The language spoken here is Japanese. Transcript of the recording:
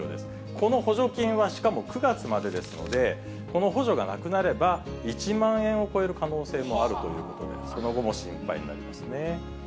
この補助金はしかも９月までですので、この補助がなくなれば、１万円を超える可能性もあるということで、その後も心配になりますね。